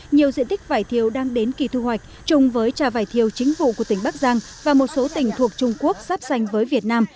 nhiều diện tích vải thiêu đang đến kỳ thu hoạch chung với trà vải thiêu chính vụ của tỉnh bắc giang và một số tỉnh thuộc trung quốc sắp xanh với việt nam